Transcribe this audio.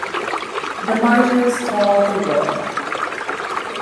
The martyrs call the world.